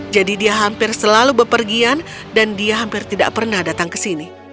jadi dia hampir selalu berpergian dan dia hampir tidak pernah datang ke sini